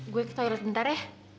gue ke toilet sebentar ya